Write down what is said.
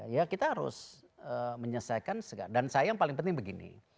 ya kita harus menyelesaikan segala dan saya yang paling penting begini